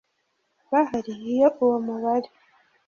bahari iyo uwo mubare